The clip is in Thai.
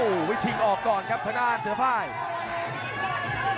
ต้องบอกว่าคนที่จะโชคกับคุณพลน้อยสภาพร่างกายมาต้องเกินร้อยครับ